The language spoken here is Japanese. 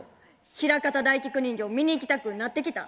ひらかた大菊人形見に行きたくなってきた？